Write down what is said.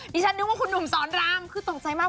ฉันนึกว่าคุณหนุ่มสอนรามคือตกใจมาก